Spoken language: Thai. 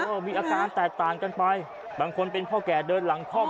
มีอาการแตกต่างกันไปบางคนเป็นพ่อแก่เดินหลังคล่อม